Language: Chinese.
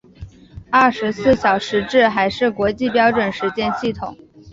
二十四小时制还是国际标准时间系统。